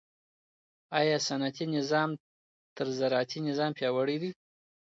آیا صنعتي نظام تر زراعتي نظام پیاوړی دی؟